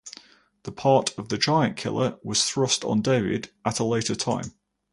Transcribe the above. The part of the giant-killer was thrust on David at a later time.